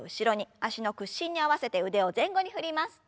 脚の屈伸に合わせて腕を前後に振ります。